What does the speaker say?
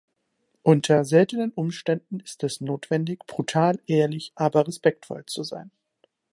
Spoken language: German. Unter seltenen Umständen ist es notwendig, brutal ehrlich, aber respektvoll zu sein.